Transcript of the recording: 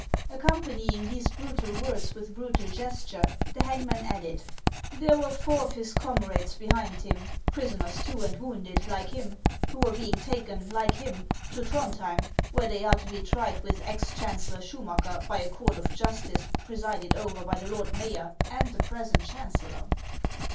Accompanying these brutal words with a brutal gesture, the hangman added :" There were four of his comrades behind him, prisoners too and wounded, like him, who were being taken, like him, to Throndhjem, where they are to be tried with ex chancellor Schumacker by a court of justice presided over by the lord mayor and the present chancellor."